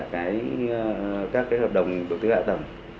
các cái hợp đồng đầu tư hạ tầm